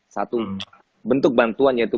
satu bentuk bantuan yaitu